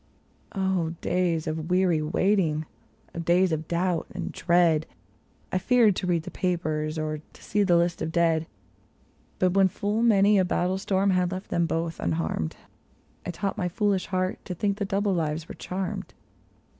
0 days of weary waiting ! O days of doubt and dread ! 1 feared to read the papers, or to see the lists of dead j THE LAST OF SIX 7/ But when full many a battle storm had left them both un harmed, I taught my foolish heart to think the double lives were charmed.